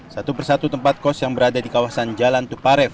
satu persatu tempat kos yang berada di kawasan jalan tuparef